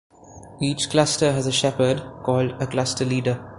Each cluster has a shepherd, called a cluster leader.